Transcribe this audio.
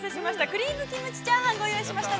クリームキムチチャーハンをご用意しました。